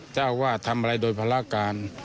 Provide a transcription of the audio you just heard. เจ้าว่าทำอะไรโดยภารการ